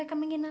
ini enggak mau